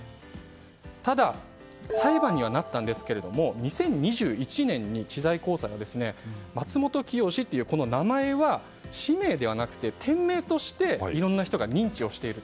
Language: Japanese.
ただ、裁判にはなったんですが２０２１年に知財高裁はマツモトキヨシという名前は氏名ではなくて店名としていろんな人が認知をしていると。